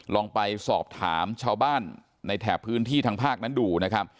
ลองไปสอบถามชาวบ้านในแถบพื้นที่ทางภาคนั้นดูนะครับ